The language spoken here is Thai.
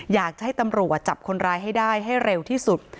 อยากจะให้ตำรวจจับคนร้ายให้ได้ให้เร็วที่สุด